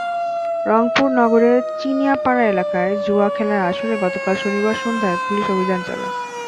রংপুর নগরের চিনিয়াপাড়া এলাকায় জুয়া খেলার আসরে গতকাল শনিবার সন্ধ্যায় পুলিশ অভিযান চালায়।